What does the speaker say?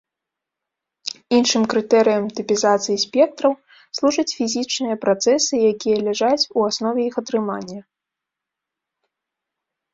Іншым крытэрыем тыпізацыі спектраў служаць фізічныя працэсы, якія ляжаць у аснове іх атрымання.